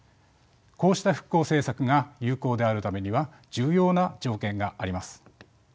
こうした復興政策が有効であるためには重要な条件があります。